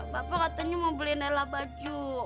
bapak katanya mau beli nela baju